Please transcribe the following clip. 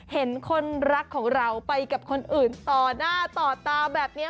เห็นคนรักของเราไปกับคนอื่นต่อหน้าต่อตาแบบนี้